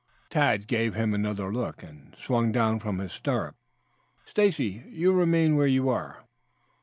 Tad gave him another look, and swung down from his stirrup. "Stacy, you remain where you are."